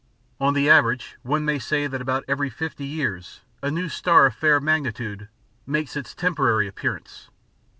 On the average one may say that about every fifty years a new star of fair magnitude makes its temporary appearance.